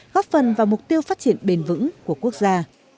bền bững của quốc gia